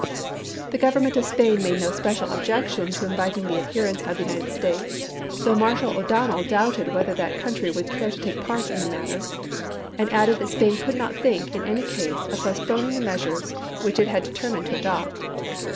The Government of Spain made no special objec tion to inviting the adherence of the United States, though Marshall O'Donnell doubted whether that country would care to take part in the matter, and added that Spain could not think, in any case, of postponing the measures which it had determined to adopt.